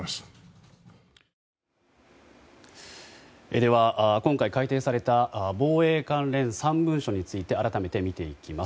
では、今回改定された防衛関連３文書について改めて見ていきます。